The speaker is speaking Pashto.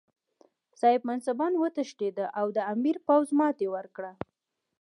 صاحب منصبان وتښتېدل او د امیر پوځ ماته وکړه.